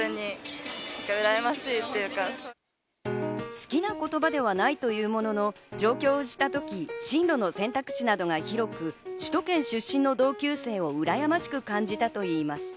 好きな言葉ではないというものの、上京したとき、進路の選択肢などが広く、首都圏出身の同級生をうらやましく感じたといいます。